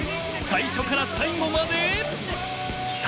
最初から最後まで。